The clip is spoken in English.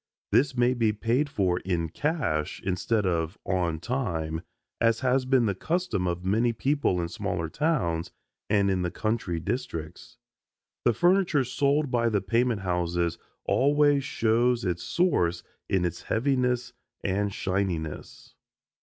This may be paid for in cash instead of "on time," as has been the custom of many people in smaller towns and in the country districts. The furniture sold by the payment houses always shows its source in its heaviness and shininess.